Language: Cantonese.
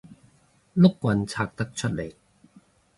碌棍拆得出嚟